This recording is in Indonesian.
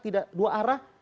tidak dua arah